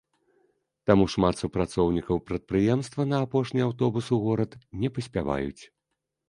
Таму шмат супрацоўнікаў прадпрыемства на апошні аўтобус у горад не паспяваюць.